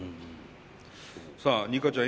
さあニカちゃん